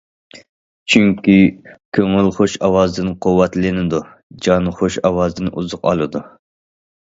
چۈنكى كۆڭۈل خۇش ئاۋازدىن قۇۋۋەتلىنىدۇ، جان خۇش ئاۋازدىن ئوزۇق ئالىدۇ.